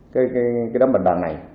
cái đó mình bắt được là